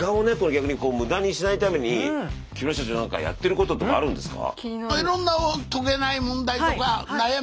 逆に無駄にしないために木村社長何かやってることとかあるんですか？